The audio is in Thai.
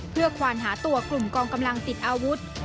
เพื่อควานหาตัวกลุ่มกองกำลังติดอาวุธ